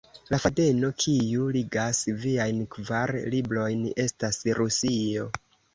La fadeno kiu ligas viajn kvar librojn estas Rusio.